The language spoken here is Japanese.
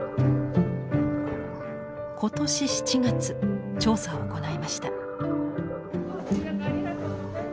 今年７月調査を行いました。